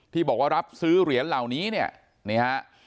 ที่บอกว่ารับซื้อเหรียญเหล่านี้เนี่ยนี่ฮะ